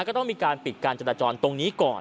ก็ต้องมีการปิดการจราจรตรงนี้ก่อน